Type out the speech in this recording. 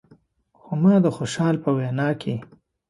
خو ما د خوشحال په وینا کې.